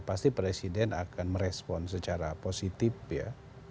pasti presiden akan merespon secara positif ya